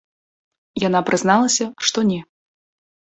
Яна прызналася, што не.